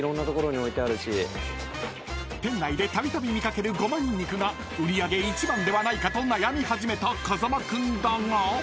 ［店内でたびたび見掛けるごまにんにくが売り上げ１番ではないかと悩み始めた風間君だが］